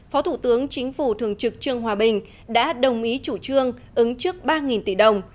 phó thủ tướng chính phủ thường trực trương hòa bình đã đồng ý chủ trương ứng trước ba tỷ đồng